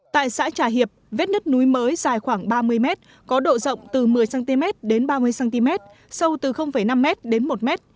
tại xã trà hiệp vết nứt núi mới dài khoảng ba mươi m có độ rộng từ một mươi cm đến ba mươi cm sâu từ năm m đến một m